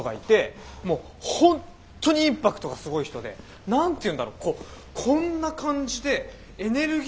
もう本当にインパクトがすごい人で何ていうんだろうこんな感じでエネルギッシュで。